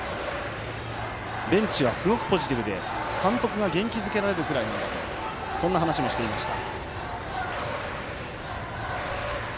ベンチは、すごくポジティブで監督が元気づけられるぐらいだとそんな話もしていました。